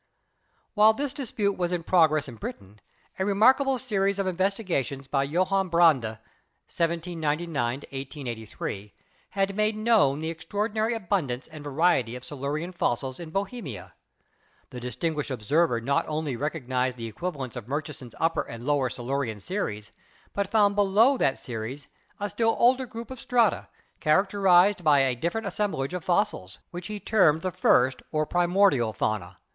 While this dispute was in progress in Britain, a remark able series of investigations by Joachim Barrande (1799 MODERN DEVELOPMENT 77 1883) had made known the extraordinary abundance and variety of Silurian fossils in Bohemia. This distinguished observer not only recognised the equivalents of Murchi son's Upper and Lower Silurian series, but found below that series a still older group of strata, characterized by a different assemblage of fossils, which he termed the first or Primordial fauna.